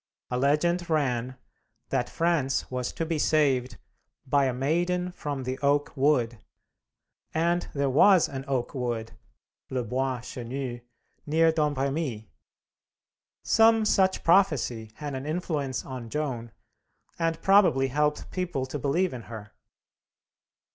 A legend ran that France was to be saved by a Maiden from the Oak Wood, and there was an Oak Wood (le bois chenu) near Domremy. Some such prophecy had an influence on Joan, and probably helped people to believe in her.